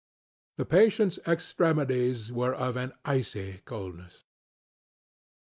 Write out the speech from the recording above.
The patientŌĆÖs extremities were of an icy coldness.